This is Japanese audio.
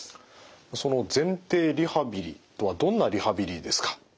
その前庭リハビリとはどんなリハビリですか？